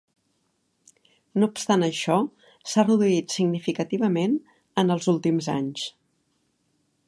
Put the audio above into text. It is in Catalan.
No obstant això, s'ha reduït significativament en els últims anys.